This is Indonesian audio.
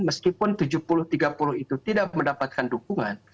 meskipun tujuh puluh tiga puluh itu tidak mendapatkan dukungan